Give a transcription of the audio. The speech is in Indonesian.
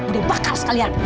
budhe bakal sekalian